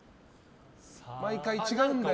毎回違うんだよ。